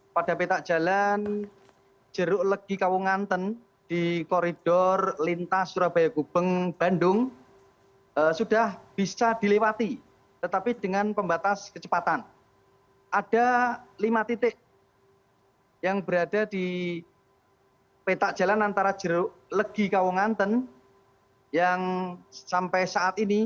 pak kris biantoro perjalanan kereta api